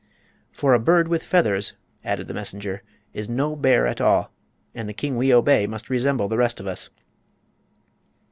"For a bear with feathers," added the messenger, "is no bear at all, and the king we obey must resemble the rest of us."